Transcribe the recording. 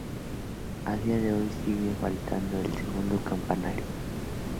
A día de hoy sigue faltando el segundo campanario.